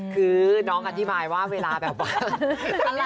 คือน้องอธิบายว่าเวลาแบบว่า